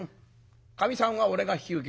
かみさんは俺が引き受ける」。